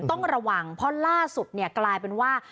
ต้องระวังเพราะล่าสุดเนี่ยกลายเป็นว่า